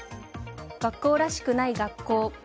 学校らしくない学校。